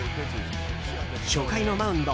初回のマウンド。